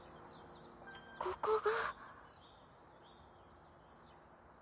ここが？